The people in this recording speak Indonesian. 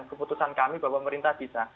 keputusan kami bahwa pemerintah bisa